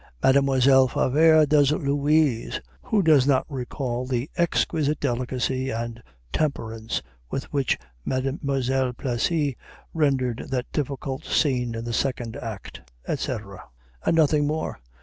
"Mademoiselle Favart does Louise. Who does not recall the exquisite delicacy and temperance with which Mme. Plessy rendered that difficult scene in the second act?" etc. And nothing more.